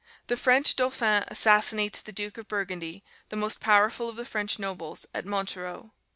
The French Dauphin assassinates the Duke of Burgundy, the most powerful of the French nobles, at Montereau.